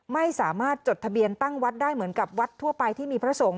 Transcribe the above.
ไม่สามารถจดทะเบียนตั้งวัดได้เหมือนกับวัดทั่วไปที่มีพระสงฆ์